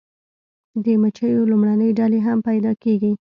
د مچیو لومړنۍ ډلې هم پیدا کیږي